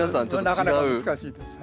なかなか難しいです。